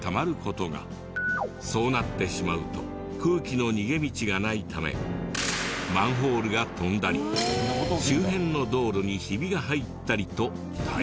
そうなってしまうと空気の逃げ道がないためマンホールが飛んだり周辺の道路にヒビが入ったりと大変な事に。